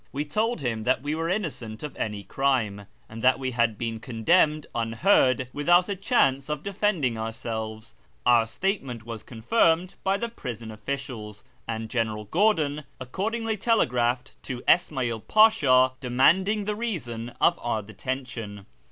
We told him that we were innocent of any crime, and that we had been condemned unheard, without a chance of defending our selves. Our statement was confirmed by the prison officials, and General Gordon accordingly telegraphed to Isma'il Ptisha demanding the reason of our detention.